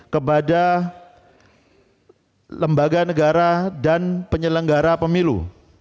kepada lembaga negara dan penyelenggara pemilu